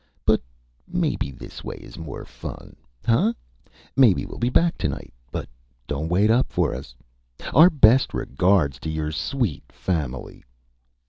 "But maybe this way is more fun, hunh? Maybe we'll be back tonight. But don't wait up for us. Our best regards to your sweet family."